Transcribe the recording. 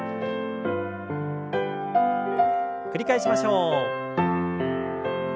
繰り返しましょう。